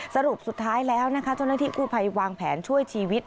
สรุปสุดท้ายแล้วนะคะเจ้าหน้าที่กู้ภัยวางแผนช่วยชีวิต